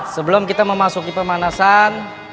sebelum kita memasuki pemanasan